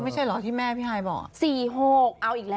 ๔๙ไม่ใช่เหรอที่แม่พี่หายบอก